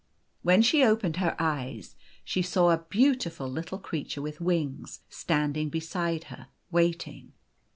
When she opened her eyes, she saw a beautiful little creature with wings standing beside her, waiting.